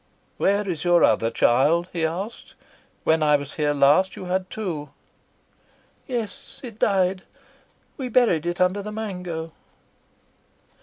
"Where is your other child?" he asked. "When I was here last you had two." "Yes; it died. We buried it under the mango."